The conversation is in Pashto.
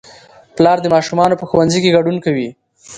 پلار د ماشومانو په ښوونځي کې ګډون کوي